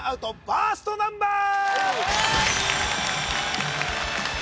バーストナンバー